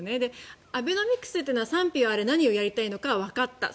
アベノミクスというのは賛否はあれ何をやりたいのかわかった。